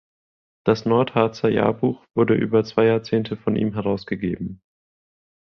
Das "Nordharzer Jahrbuch" wurde über zwei Jahrzehnte von ihm herausgegeben.